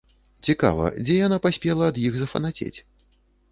Цікава, дзе яна паспела ад іх зафанацець?